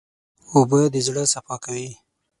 اوبه د زړه صفا کوي.